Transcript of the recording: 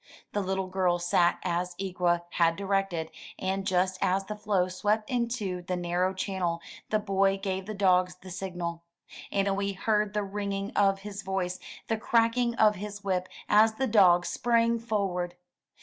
The little girl sat as Ikwa had directed, and just as the floe swept into the narrow channel, the boy gave the dogs the signal. Anno wee heard the ringing of his voice, the cracking of his whip, as the dogs sprang forward.